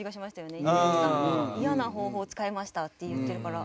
嫌な方法使いましたって言ってるから。